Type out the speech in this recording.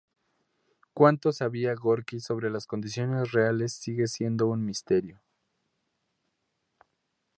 Cuánto sabía Gorki sobre las condiciones reales sigue siendo un misterio.